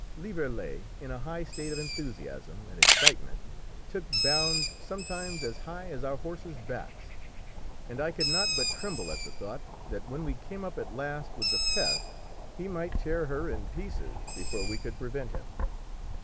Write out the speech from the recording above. Lieverlé, in a high state of enthusiasm and excitement, took bounds sometimes as high as our horses' backs, and I could not but tremble at the thought that when we came up at last with the Pest he might tear her in pieces before we could prevent him.